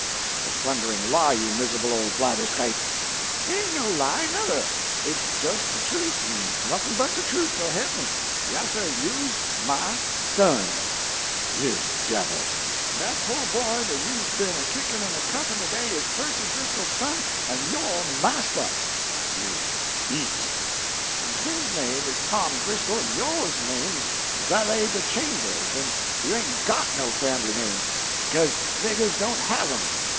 "It's a thundering lie, you miserable old blatherskite!" "It ain't no lie, nuther. It's jes de truth, en nothin' but de truth, so he'p me. Yassir you's my son " "You devil!" "En dat po' boy dat you's be'n a kickin' en a cuffin' to day is Percy Driscoll's son en yo' marster " "You beast!" "En his name's Tom Driscoll, en yo' name's Valet de Chambers, en you ain't got no fambly name, beca'se niggers don't have em!"